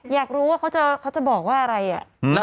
อยากรู้ว่าเขาจะบอกว่าอะไรอ่ะ